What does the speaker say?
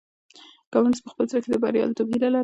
کمونيسټ په خپل زړه کې د برياليتوب هيله لرله.